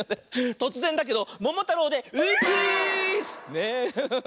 とつぜんだけど「ももたろう」で「う」クイズ！